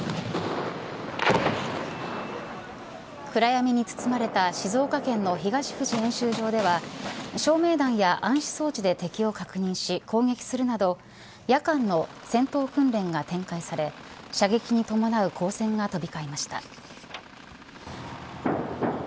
暗闇に包まれた静岡県の東富士市演習場では照明弾や暗視装置で敵を確認し攻撃するなど夜間の戦闘訓練が展開され射撃に伴う光線が飛び交いました。